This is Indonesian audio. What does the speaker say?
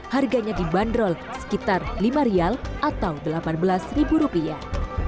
harganya dibanderol sekitar lima rial atau delapan belas ribu rupiah